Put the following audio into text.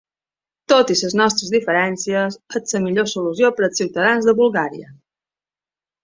Tot i les nostres diferències, és la millor solució per als ciutadans de Bulgària.